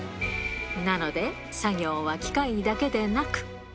なので、作業は機械だけでなく。